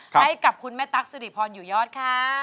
ให้กับคุณแม่ตั๊กสิริพรอยู่ยอดค่ะ